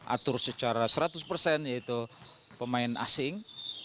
atur secara seratus persen yaitu pemain asing